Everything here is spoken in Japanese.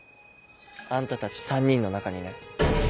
あんたたち３人の中にね。